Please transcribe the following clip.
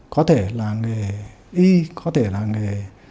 có thể là nghề y có thể là nghề